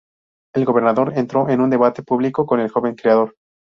El gobernador entró en un debate público con el joven creador.